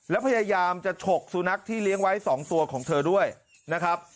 แล้วพยายามจะฉกสุนัขที่เลี้ยงไว้๒ตัวของเธอด้วยนะครับ